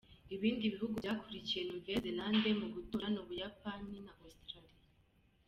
Ibindi bihugu byakurikiye Nouvelle-Zélande mu gutora ni u Buyapani na Australia.